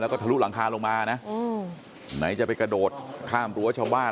แล้วก็ทะลุหลังคาลงมานะไหนจะไปกระโดดข้ามรั้วชาวบ้าน